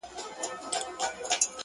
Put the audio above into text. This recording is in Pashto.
خدایه ملیار مي له ګلونو سره لوبي کوي؛